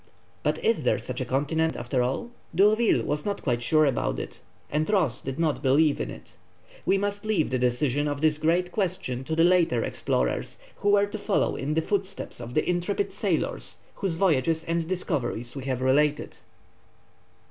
But is there such a continent after all? D'Urville was not quite sure about it, and Ross did not believe in it. We must leave the decision of this great question to the later explorers who were to follow in the footsteps of the intrepid sailors whose voyages and discoveries we have related.